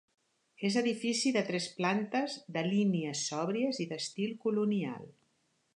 És edifici de tres plantes, de línies sòbries i d’estil colonial.